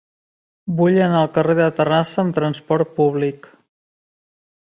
Vull anar al carrer de Terrassa amb trasport públic.